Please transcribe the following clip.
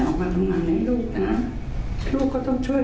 น้องก็ต้องเชื่อใจคุณแม่ด้วย